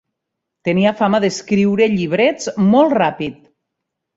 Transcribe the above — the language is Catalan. Tenia fama d'escriure llibrets molt ràpid.